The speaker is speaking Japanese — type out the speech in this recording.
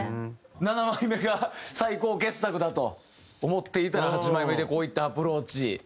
７枚目が最高傑作だと思っていたら８枚目でこういったアプローチ。